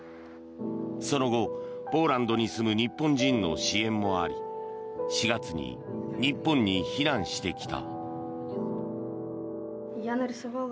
その後、ポーランドに住む日本人の支援もあり４月に日本に避難してきた。